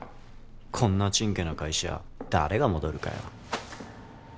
こんなチンケな会社誰が戻るかよ